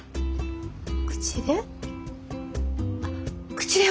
口で？